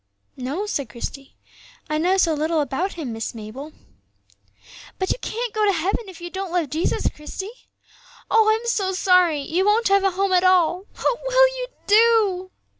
"No," said Christie; "I know so little about Him, Miss Mabel." "But you can't go to heaven if you don't love Jesus, Christie. Oh! I'm so sorry, you won't have a home at all; what will you do?"